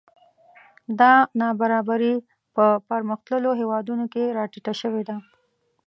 دا نابرابري په پرمختللو هېوادونو کې راټیټه شوې ده